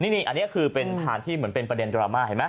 นี่อันนี้คือเป็นพานที่เหมือนเป็นประเด็นดราม่าเห็นไหม